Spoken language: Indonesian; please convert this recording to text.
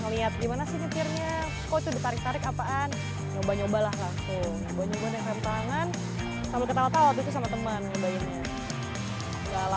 waktu bokap nyampe naik motor udah mau nangis waduh kemarin bokap